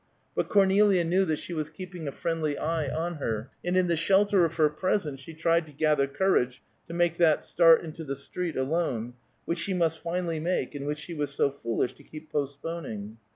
But Cornelia knew that she was keeping a friendly eye on her, and in the shelter of her presence, she tried to gather courage to make that start into the street alone, which she must finally make and which she was so foolish to keep postponing.